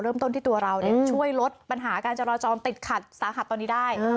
เริ่มต้นที่ตัวเราช่วยลดปัญหาการจราจรติดขัดสาหัสตอนนี้ได้